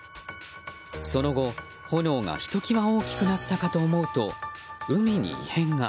その後、炎がひときわ大きくなったかと思うと海に異変が。